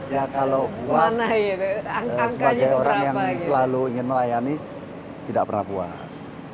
ya kalau puas sebagai orang yang selalu ingin melayani tidak pernah puas